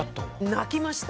泣きました